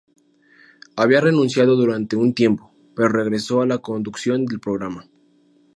Había renunciado durante un tiempo, pero regresó a la conducción del programa.